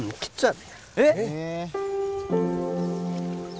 えっ！